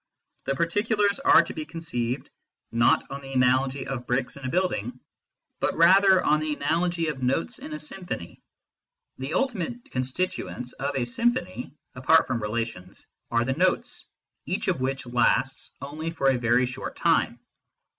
The par ticulars are to be conceived, not on the analogy of bricks i 3 o MYSTICISM AND LOGIC in a building, but rather on the analogy of notes in a sym phony. The ultimate constituents of a symphony (apart from relations) are the notes, each of which lasts only for a very short time.